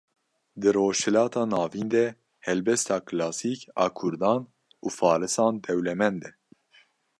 Di rojhilata navîn de helbesta kilasîk a Kurdan û farisan dewlemend e